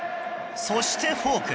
そしてフォーク。